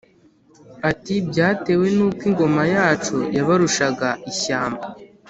ati:” byatewe n’uko ingoma yacu yabarushaga ishyamba.